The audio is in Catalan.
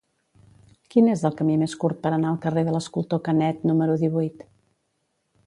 Quin és el camí més curt per anar al carrer de l'Escultor Canet número divuit?